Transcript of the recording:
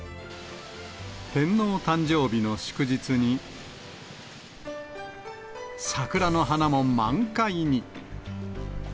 天皇誕生日の祝日に、桜の花も満開に。